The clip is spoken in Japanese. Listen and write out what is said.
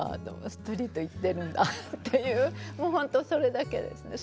ストリート行ってるんだっていうもうほんとそれだけですね。